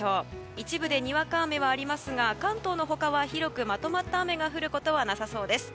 一部でにわか雨はありますが関東の他は広くまとまった雨が降ることはなさそうです。